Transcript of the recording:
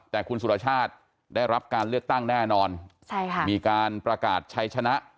แต่คุณสุรชาติได้รับการเลือกตั้งแน่นอนใช่ค่ะมีการประกาศใช้ชนะ